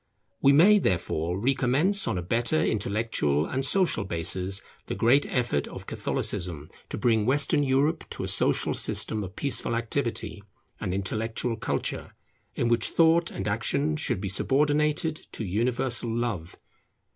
We may, therefore, recommence on a better intellectual and social basis the great effort of Catholicism, to bring Western Europe to a social system of peaceful activity and intellectual culture, in which Thought and Action should be subordinated to universal Love.